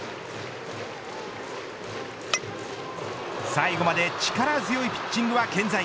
最後まで力強いピッチングは健在。